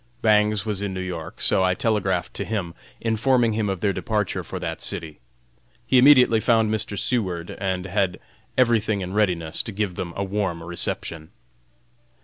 Bangs was in New York, so I telegraphed to him, informing him of their departure for that city. He immediately found Mr. Seward and had everything in readiness to give them a warm reception.